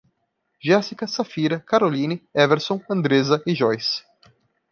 Jéssica, Safira, Caroline, Everson, Andreza e Joyce